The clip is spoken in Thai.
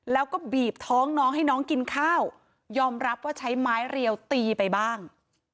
แล้วก็บีบท้องน้องให้น้องกินข้าวยอมรับว่าใช้ไม้เรียวตีไปบ้าง